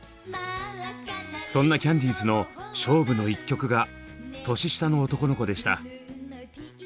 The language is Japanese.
そんなキャンディーズの勝負の１曲が「年下の男の子」でした。